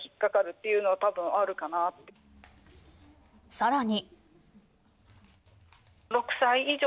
さらに。